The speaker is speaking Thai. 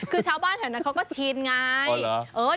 คือชาวบ้านแถวนั้นเขาก็ชินไง